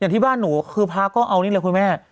อย่างที่บ้านหนูคือพระก็เอานี่เลยคุณแม่